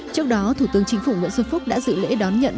trước đó thủ tướng chính phủ nguyễn xuân phúc đã dự lễ đón nhận